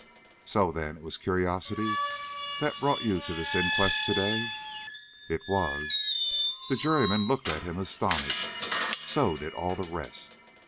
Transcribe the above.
"So, then, it was curiosity that brought you to the inquest to day?" "It was." The juryman looked at him astonished; so did all the rest.